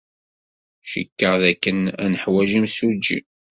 Cikkeɣ dakken ad neḥwij imsujji.